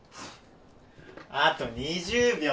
あと２０秒。